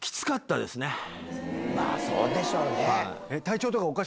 まぁそうでしょうね。